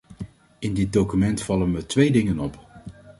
In dit document vallen me twee dingen op.